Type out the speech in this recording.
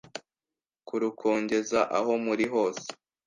kurukongeza aho muri hose,